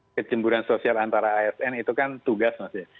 ya kalau kecemburan sosial antara asn itu kan tugas mas